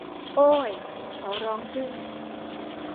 โอ้ย เขาร้องขึ้น